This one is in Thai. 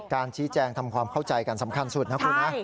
การชี้แจงทำความเข้าใจกันสำคัญสุดนะคุณนะ